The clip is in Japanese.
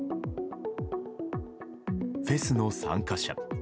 フェスの参加者。